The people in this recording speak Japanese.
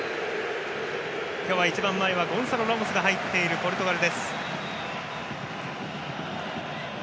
今日は一番前はゴンサロ・ラモスが入っているポルトガル。